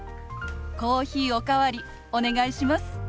コーヒーお代わりお願いします。